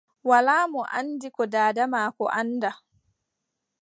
Walaa mo anndi ko daada maako anndaa.